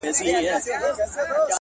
کاينات راڅه هېريږي ورځ تېرېږي ـ